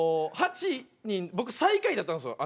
僕最下位だったんですよ。